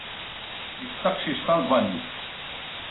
Nekk d taqcict talbanit.